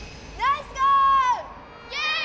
イエーイ！